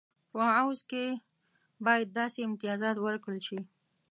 په عوض کې باید داسې امتیازات ورکړل شي.